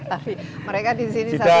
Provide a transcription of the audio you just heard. tapi mereka di sini satu tempat itu